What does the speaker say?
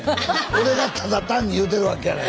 俺がただ単に言うてるわけやない。